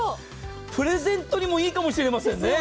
プレゼントにもいいかもしれませんね。